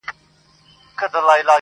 نه یې مال نه یې دولت وي ورته پاته!!